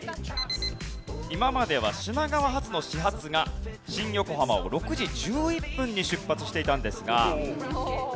今までは品川発の始発が新横浜を６時１１分に出発していたんですが。